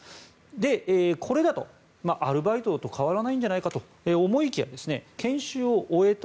で、これだとアルバイトと変わらないんじゃないかと思いきや研修を終えた